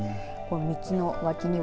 道の脇には。